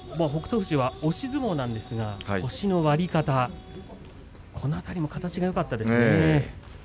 富士は押し相撲ですが腰の割り方この辺りも形がよかったですね。